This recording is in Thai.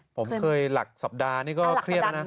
ผมเคยหลักสัปดาห์นี่ก็เครียดแล้วนะ